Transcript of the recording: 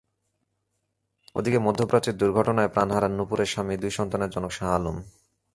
ওদিকে মধ্যপ্রাচ্যে দুর্ঘটনায় প্রাণ হারান নূপুরের স্বামী দুই সন্তানের জনক শাহ আলম।